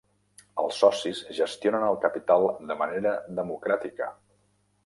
Els socis gestionen el capital de manera democràtica.